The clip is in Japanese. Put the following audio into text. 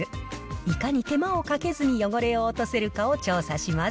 いかに手間をかけずに汚れを落とせるかを調査します。